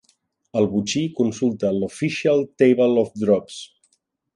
El botxí consulta l'Official Table of Drops.